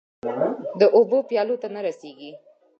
د اوبو پیالو ته نه رسيږې